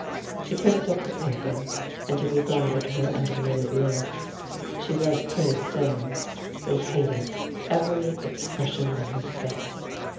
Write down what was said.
She picked up the paper, and he regarded her under lowered lids. She was pretty still, but he hated every expression on her face.